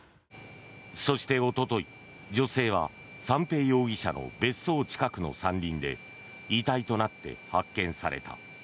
そしておととい、女性は三瓶容疑者の別荘近くの山林で遺体となって発見された。